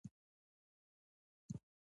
خو ډزې نه پرې کېدلې، د کومې لوا یاست؟